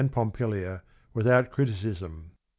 Pompilia without criticis m.